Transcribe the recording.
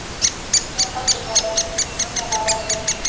د نوي یرغل په باره کې خبرونه راغلل.